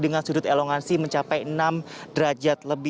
dengan sudut elongansi mencapai enam derajat lebih